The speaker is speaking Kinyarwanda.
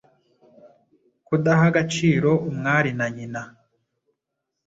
Kudaha agaciro umwari na nyina,